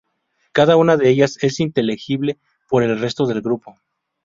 Cada una de ellas es inteligible por el resto del grupo.